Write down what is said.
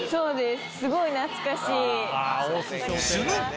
すごい懐かしい。